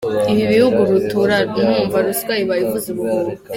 ibi bihugu rutura wumva ruswa iba ivuza ubuhuha.